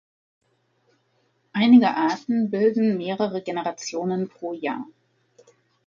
Einige Arten bilden mehrere Generationen pro Jahr.